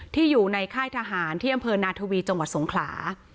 ที่อยู่ในค่ายทหารที่อำเภอนาทวีจังหวัดสงขลา